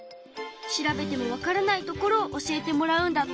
調べてもわからないところを教えてもらうんだって。